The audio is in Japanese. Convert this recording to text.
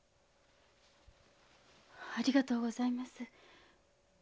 ありがとうございます。